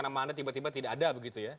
nama anda tiba tiba tidak ada begitu ya